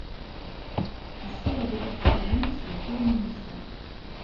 Yessared iḍebsiyen sdeffir yimensi.